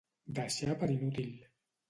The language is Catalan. Deixar per inútil.